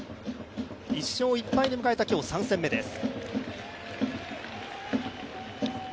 １勝１敗で迎えた今日３戦目です。